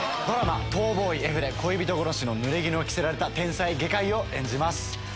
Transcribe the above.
ドラマ『逃亡医Ｆ』で恋人殺しのぬれぎぬを着せられた天才外科医を演じます。